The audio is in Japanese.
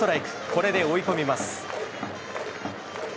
これで追い込みます。